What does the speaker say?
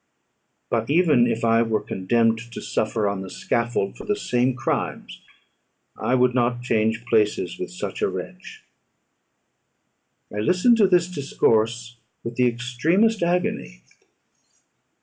But even if I were condemned to suffer on the scaffold for the same crimes, I would not change places with such a wretch." I listened to this discourse with the extremest agony.